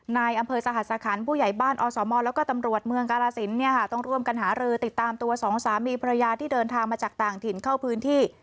นายอำเภอสหัสคันผู้ใหญ่บ้านอสมแล้วก็ตำรวจเมืองกาลสินเนี่ยค่ะต้องร่วมกันหารือติดตามตัวสองสามีภรรยาที่เดินทางมาจากต่างถิ่นเข้าพื้นที่